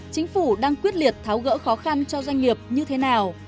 chính phủ đang quyết liệt tháo gỡ khó khăn cho doanh nghiệp như thế nào